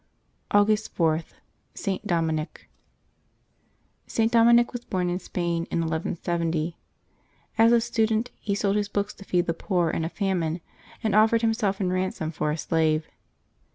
'' August 4.— ST. DOMINIC. [t. Dominic was born in Spain, in 1170. As a stu dent, he sold his books to feed the poor in a famine, and offered himself in ransom for a slave.